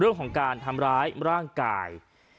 เรื่องของการทำร้ายร่างกาย